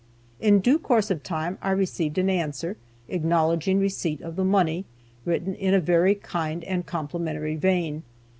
In due course of time I received an answer, acknowledging receipt of the money, written in a very kind and complimentary vein.